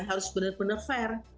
harus benar benar fair